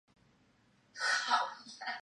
最终双方战平各得一分。